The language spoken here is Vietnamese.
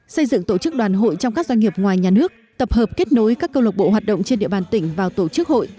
xây dựng tổ chức đoàn hội trong các doanh nghiệp ngoài nhà nước tập hợp kết nối các cơ lộc bộ hoạt động trên địa bàn tỉnh vào tổ chức hội